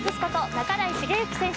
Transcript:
半井重幸選手